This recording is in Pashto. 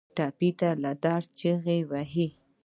ټپي له درد چیغې وهي.